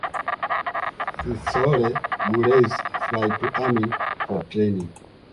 Sithole Guerrillas Fly to Amin for Training